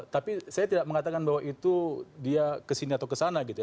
tapi saya tidak mengatakan bahwa itu dia kesini atau kesana gitu ya